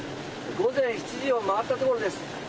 午前７時を回ったところです。